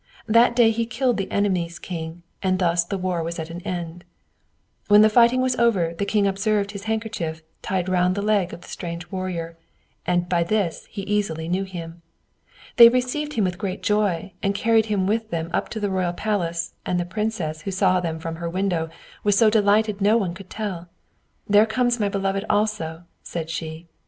That day he killed the enemy's king, and thus the war was at an end. When the fighting was over, the king observed his handkerchief tied round the leg of the strange warrior, and by this he easily knew him. They received him with great joy, and carried him with them up to the royal palace, and the princess, who saw them from her window, was so delighted no one could tell. "There comes my beloved also," said she.